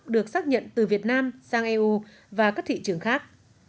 được xác nhận từ việt nam sang eu và các thị trường khác